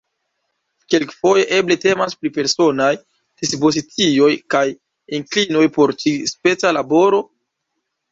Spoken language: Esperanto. Kelkfoje eble temas pri personaj dispozicioj kaj inklinoj por ĉi-speca laboro?